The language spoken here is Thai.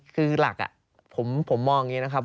คือหลักผมมองอย่างนี้นะครับ